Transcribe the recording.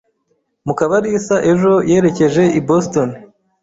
Mukabarisa ejo yerekeje i Boston.